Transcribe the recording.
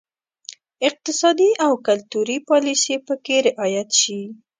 اقتصادي او کلتوري پالیسي پکې رعایت شي.